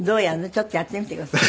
ちょっとやってみてください。